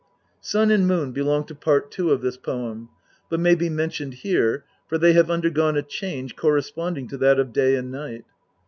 Sun and Moon belong to Part II. of this poem, but may be mentioned here, for they have undergone a change corresponding to that of Day and Night.